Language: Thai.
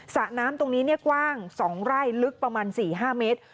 สระน้ำตรงนี้กว้าง๒ไร่ลึกประมาณ๔๕เมตร